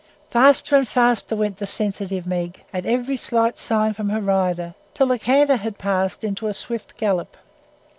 Faster and faster went the sensitive Meg, at every slight sign from her rider, till the canter had passed into a swift gallop.